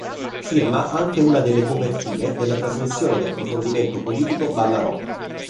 Firma anche una delle "copertine" della trasmissione di approfondimento politico "Ballarò".